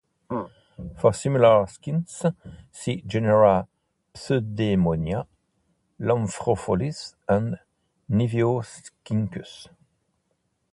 For similar skinks see genera "Pseudemoia", "Lampropholis", and "Niveoscincus".